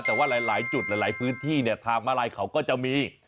แต่ว่าหลายจุดหลายพื้นที่เนี่ยทางมาลายเขาก็จะมี